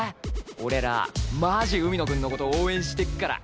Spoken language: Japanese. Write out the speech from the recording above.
俺らマジ海野くんの事応援してっから！